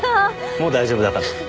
もう大丈夫だから。